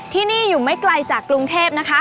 ที่นี่อยู่ไม่ไกลจากกรุงเทพนะคะ